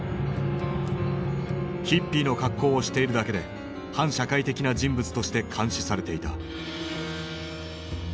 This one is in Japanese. ヒッピーの格好をしているだけで反社会的な人物として監視されていた。